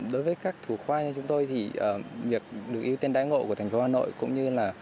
đối với các thủ khoa như chúng tôi thì việc được yêu tên đáy ngộ của thành phố hà nội cũng như là